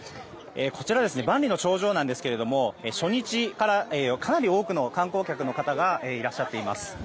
こちら、万里の長城なんですが初日からかなりの多くの観光客の方がいらっしゃっています。